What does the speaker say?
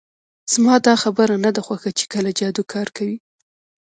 زما دا برخه نه ده خوښه چې کله جادو کار کوي